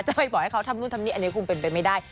ไปบอกให้เขาทำนู่นทำนี่อันนี้คงเป็นไปไม่ได้